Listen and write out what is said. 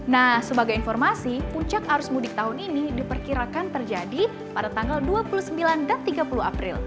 nah sebagai informasi puncak arus mudik tahun ini diperkirakan terjadi pada tanggal dua puluh sembilan dan tiga puluh april